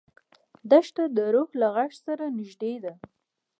دښته د روح له غږ سره نږدې ده.